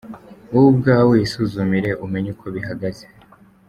Wowe ubwawe isuzumire, umenye uko bihagaze.